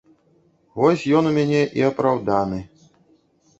Вось ён у мяне і апраўданы.